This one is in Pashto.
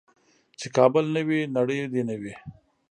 چې کابل نه وي نړۍ دې نه وي.